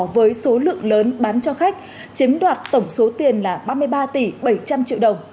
với số lượng lớn bán cho khách chiếm đoạt tổng số tiền là ba mươi ba tỷ bảy trăm linh triệu đồng